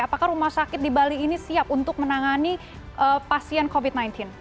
apakah rumah sakit di bali ini siap untuk menangani pasien covid sembilan belas